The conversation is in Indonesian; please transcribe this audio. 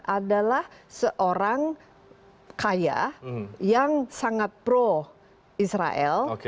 adalah seorang kaya yang sangat pro israel